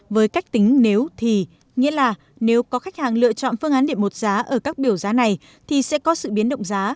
với cách tính nếu thì nghĩa là nếu có khách hàng lựa chọn phương án điện một giá ở các biểu giá này thì sẽ có sự biến động giá